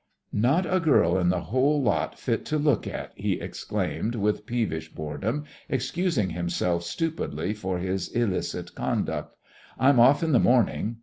"Not a girl in the whole lot fit to look at," he exclaimed with peevish boredom, excusing himself stupidly for his illicit conduct. "I'm off in the morning."